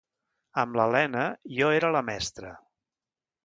Amb l'Elena, jo era la mestra.